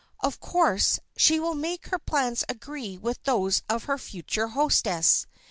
Of course she will make her plans agree with those of her future hostess.